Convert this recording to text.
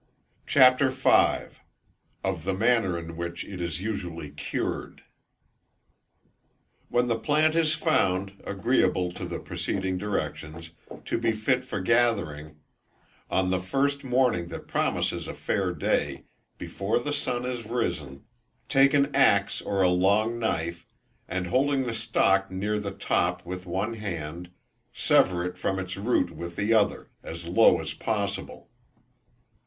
CHAPTER V. Of the Manner in which it is usually cured. When the plant is found, agreeable to the preceding directions, to be fit for gathering, on the first morning that promises a fair day, before the sun is risen, take an axe or a long knife, and holding the stalk near the top with one hand, sever it from its root with the other, as low as possible.